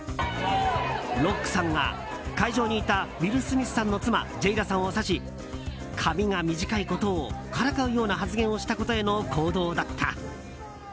ロックさんが会場にいたウィル・スミスさんの妻・ジェイダさんを指し髪が短いことを、からかうような発言をしたことへの行動だった。